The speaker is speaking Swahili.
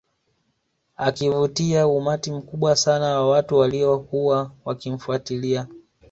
Akivutia umati mkubwa sana wa watu walio kuwa wakimfuatilia